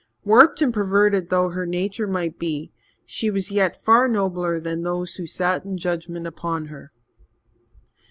Warped and perverted though her nature might be, she was yet far nobler than those who sat in judgement upon her.